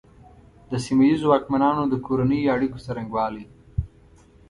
د سیمه ییزو واکمنانو د کورنیو اړیکو څرنګوالي.